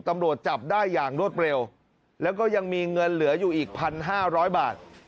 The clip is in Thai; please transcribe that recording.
ตำรวจจับได้อย่างรวดเร็วแล้วก็ยังมีเงินเหลืออยู่อีก๑๕๐๐บาท